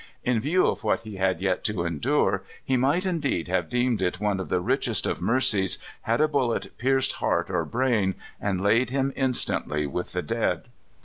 In view of what he had yet to endure, he might indeed have deemed it one of the richest of mercies had a bullet pierced heart or brain, and laid him instantly with the dead.